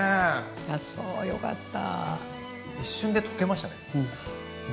あそうよかった。